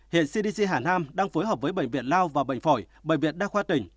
hiện cdc hà nam đang phối hợp với bệnh viện lao và bệnh phổi bệnh viện đa khoa tỉnh